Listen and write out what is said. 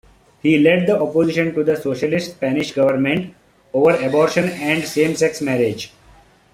He led the opposition to the Socialist Spanish government over abortion and same-sex marriage.